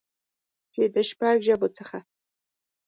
چې د شپږ ژبو څخه